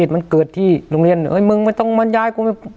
มันเกิดที่โรงเรียนมึงไม่ต้องมาย้ายกู